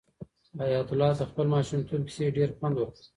حیات الله ته د خپل ماشومتوب کیسې ډېر خوند ورکوي.